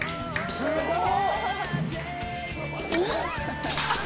すごい！